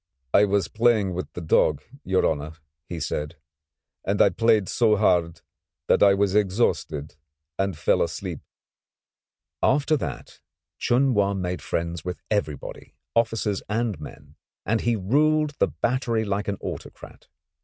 "I was playing with the dog, your honour," he said, "and I played so hard that I was exhausted and fell asleep." After that Chun Wa made friends with everybody, officers and men, and he ruled the battery like an autocrat.